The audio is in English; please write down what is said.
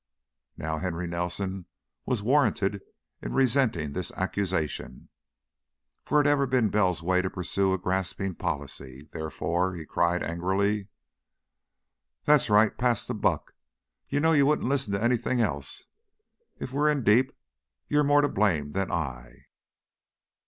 Now Henry Nelson was warranted in resenting this accusation, for it had ever been Bell's way to pursue a grasping policy, therefore he cried, angrily: "That's right; pass the buck. You know you wouldn't listen to anything else. If we're in deep, you're more to blame than I."